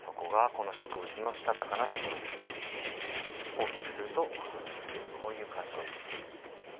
大きくするとこういう感じです。